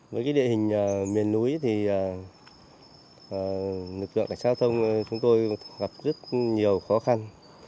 với địa hình miền núi thì lực lượng đảnh sát thông chúng tôi gặp rất nhiều khó khăn